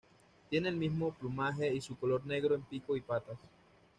Tiene el mismo plumaje y su color negro en pico y patas.